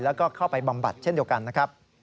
แล้วก็เข้าไปบำบัดเช่นเดียวกันนะครับ